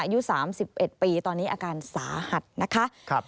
อายุ๓๑ปีตอนนี้อาการสาหัสนะคะ